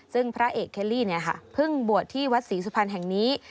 ซึ่งพระเอกเคลลี่เพิ่งบวชที่วัดศรีสุพรรณแห่งนี้